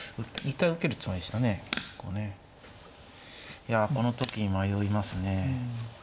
いやこの時に迷いますね。